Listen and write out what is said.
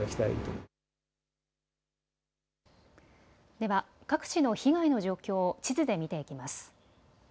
では各地の被害の状況を地図で見ていきます。